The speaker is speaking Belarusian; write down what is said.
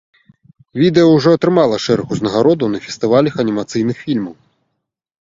Відэа ўжо атрымала шэраг узнагародаў на фестывалях анімацыйных фільмаў.